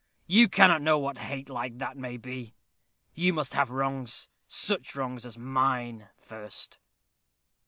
You cannot know what hate like that may be. You must have wrongs such wrongs as mine first."